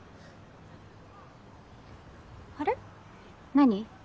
何？